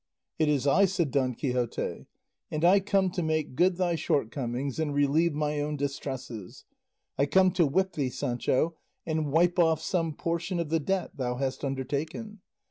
"It is I," said Don Quixote, "and I come to make good thy shortcomings and relieve my own distresses; I come to whip thee, Sancho, and wipe off some portion of the debt thou hast undertaken.